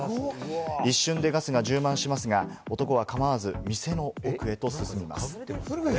一瞬でガスが充満しますが、男は構わず店の奥へと進みます。